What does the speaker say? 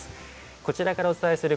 こちらからお伝えする